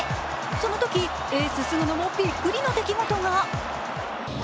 そのときエース・菅野もびっくりの出来事が。